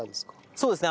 そうですね。